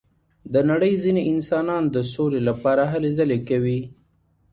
د نړۍ ځینې انسانان د سولې لپاره هلې ځلې کوي.